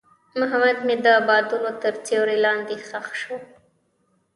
محبت مې د بادونو تر سیوري لاندې ښخ شو.